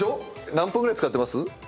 何分ぐらい使ってます？